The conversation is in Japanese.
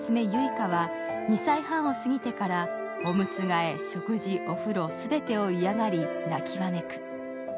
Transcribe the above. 花は２歳半をすぎてからおむつ替え、食事、お風呂、全てを嫌がり、泣きわめく。